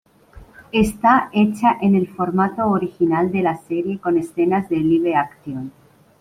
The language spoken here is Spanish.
Esta Hecha en el formato original de la serie con escenas de Live-Action.